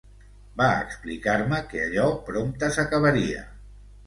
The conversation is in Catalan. Va explicar-me que allò prompte s'acabaria.